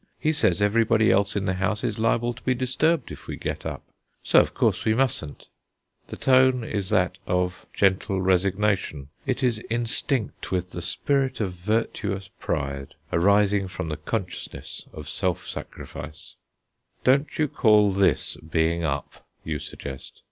"He says everybody else in the house is liable to be disturbed if we get up. So, of course, we mustn't." The tone is that of gentle resignation. It is instinct with the spirit of virtuous pride, arising from the consciousness of self sacrifice. "Don't you call this being up?" you suggest.